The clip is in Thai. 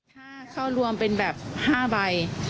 ถ้าเข้ารวมเป็นแบบ๕ใบ